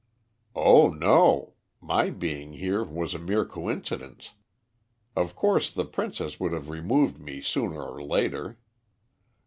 "Oh, no. My being here was a mere coincidence. Of course, the princess would have removed me sooner or later.